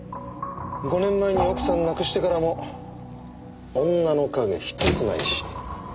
５年前に奥さんを亡くしてからも女の影ひとつないし。